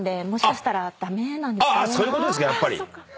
そういうことですかやっぱり。